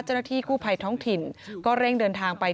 เจ้าหน้าที่กู้ภัยท้องถิ่นก็เร่งเดินทางไป